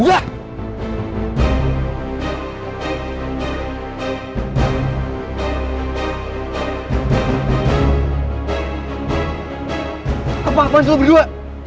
apa apaan lo berdua